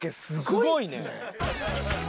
すごいね。